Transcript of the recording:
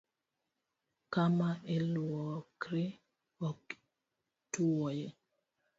Kama iluokri ok ituoye